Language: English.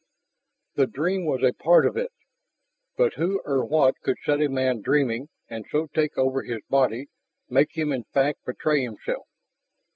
The dream was a part of it. But who or what could set a man dreaming and so take over his body, make him in fact betray himself?